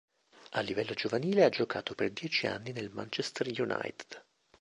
A livello giovanile, ha giocato per dieci anni nel Manchester United.